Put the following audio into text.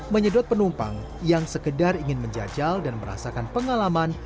menyedot penumpang yang sekedar ingin menjajal dan merasakan pengalaman